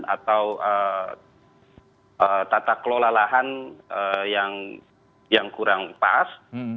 atau tata kelola lahan yang kurang pas